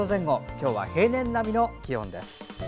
今日は平年並みの気温です。